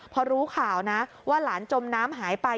พอรู้ข่าวนะว่าหลานจมน้ำหายไป